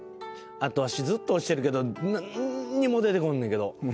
あとわしずっと推してるけど何にも出てこんねんけど。